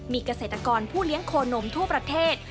มีเกษตรกรผู้เลี้ยงโคนมทั่วประเทศ